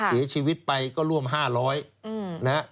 เสียชีวิตไปก็ร่วม๕๐๐นะฮะ